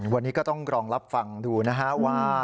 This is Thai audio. วันนี้ก็ต้องรองรับฟังดูนะฮะว่า